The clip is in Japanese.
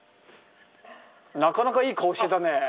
なかなかいい顔してたね。